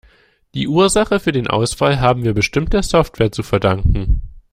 Die Ursache für den Ausfall haben wir bestimmt der Software zu verdanken.